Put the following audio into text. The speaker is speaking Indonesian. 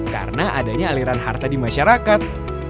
karena adanya aliran harta di masyarakat